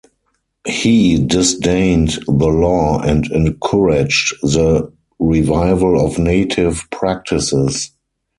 He disdained the law and encouraged the revival of native practices.